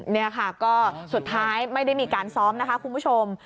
นี่ค่ะก็สุดท้ายไม่ได้มีการซ้อมนะคะคุณผู้ชม